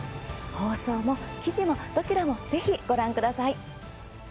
放送も記事も、ぜひご覧ください。